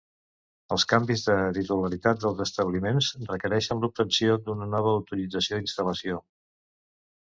Els canvis de titularitat dels establiments requereixen l'obtenció d'una nova autorització d'instal·lació.